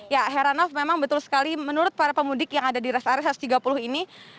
ya heranov memang betul sekali menurut para pemudik yang ada di rest area satu ratus tiga puluh ini